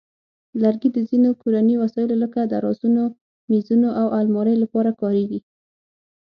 لرګي د ځینو کورني وسایلو لکه درازونو، مېزونو، او المارۍ لپاره کارېږي.